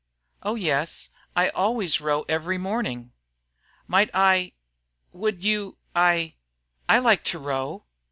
"Oh, yes. I always row every morning." "Might I would you I I like to row."